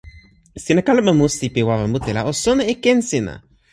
sina kalama musi pi wawa mute la o sona e ken sina!